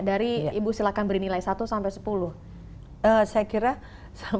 dari rasio ibu satu sampai sepuluh menurut ibu skalanya untuk pencapaian bpjs atau mungkin kis saat ini seperti apa evaluasinya